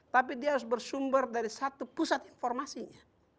tapi dia harus bersumber dari satu pusat informasinya